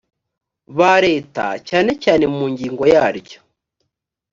ba leta cyane cyane mu ngingo yaryo